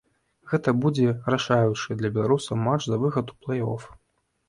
Гэта будзе рашаючы для беларусаў матч за выхад у плэй-оф.